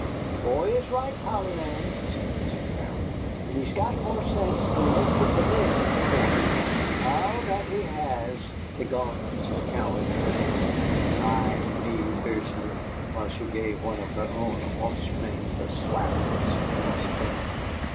"The boy is right, Polly Ann," said Mrs. Harrod, "and he's got more sense than most of the men in the fort." "Ay, that he has," the gaunt Mrs. Cowan put in, eying me fiercely, while she gave one of her own offsprings a slap that sent him spinning.